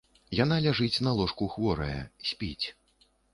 Яна ляжыць на ложку хворая, спіць.